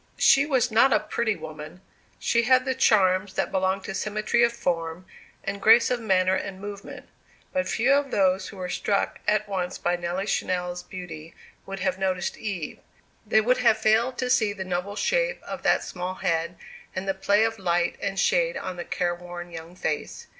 She was not a pretty woman. She had the charms that belong to symmetry of form, and grace of manner and movement. But few of those who were struck at once by Nelly Channell's beauty would have noticed Eve. They would have failed to see the noble shape of that small head, and the play of light and shade on the careworn young face.